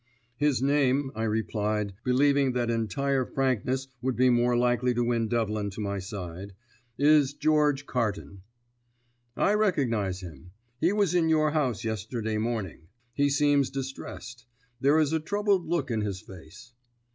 "His name," I replied, believing that entire frankness would be more likely to win Devlin to my side, "is George Carton." "I recognise him; he was in your house yesterday morning. He seems distressed. There is a troubled look in his face."